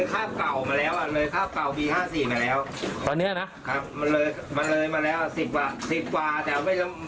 จากพื้นครับ